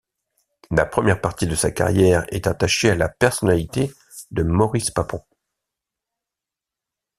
La première partie de sa carrière est attachée à la personnalité de Maurice Papon.